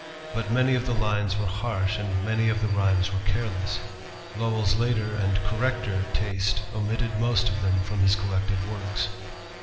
But many of the lines were harsh and many of the rhymes were careless. Lowell's later and correcter taste omitted most of them from his collected works.